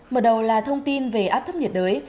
mở đầu là thông tin về áp thấp nhiệt đới